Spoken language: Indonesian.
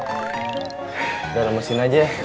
udah lemesin aja ya